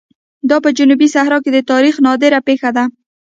دا په جنوبي صحرا کې د تاریخ نادره پېښه ده.